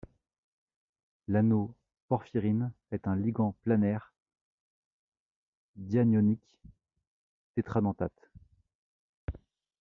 L'anneau porphyrine est un ligand planaire dianionique tétradentate.